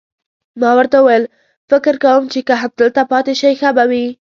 ما ورته وویل: فکر کوم چې که همدلته پاتې شئ، ښه به وي.